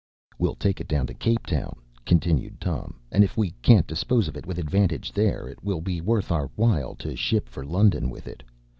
“We’ll take it down to Cape Town,” continued Tom, “and if we can’t dispose of it with advantage there, it will be worth our while to ship for London with it.